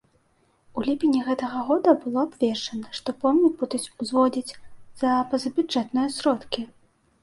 У ліпені гэтага году было абвешчана, што помнік будуць узводзіць за пазабюджэтныя сродкі.